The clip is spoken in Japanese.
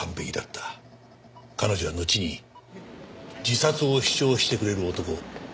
彼女はのちに自殺を主張してくれる男